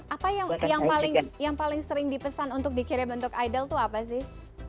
apa yang paling sering dipesan untuk dikirim untuk idol itu apa sih